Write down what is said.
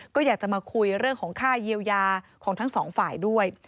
ก็อยากจะมาคุยเรื่องของค่าเยียวยาของทั้งสองฝ่ายด้วย